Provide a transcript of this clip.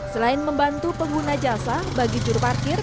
selain membantu pengguna jasa bagi juruparkir